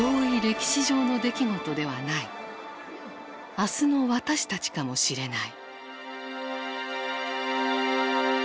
明日の私たちかもしれない。